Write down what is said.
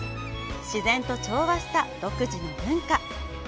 自然と調和した独自の文化。